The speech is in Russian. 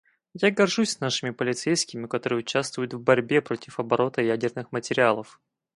Я горжусь нашими полицейскими, которые участвуют в борьбе против оборота ядерных материалов.